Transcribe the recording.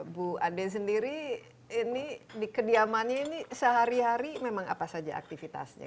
bu ade sendiri ini di kediamannya ini sehari hari memang apa saja aktivitasnya